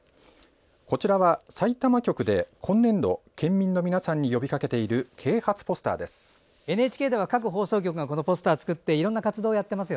こちらは、さいたま局で今年度県民の皆さんに呼びかけている啓発ポスターです。